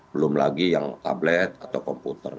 belum lagi yang tablet atau komputer